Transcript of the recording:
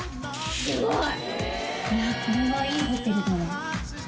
すごいこれはいいホテルだな。